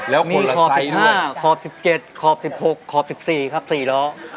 แล้วคนละไซส์ด้วยมีขอบ๑๕ขอบ๑๗ขอบ๑๖ขอบ๑๔ครับ๔ล้อ